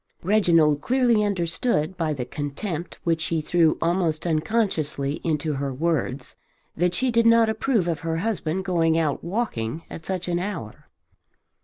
Reginald clearly understood by the contempt which she threw almost unconsciously into her words that she did not approve of her husband going out walking at such an hour.